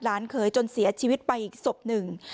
เคยจนเสียชีวิตไปอีกศพหนึ่ง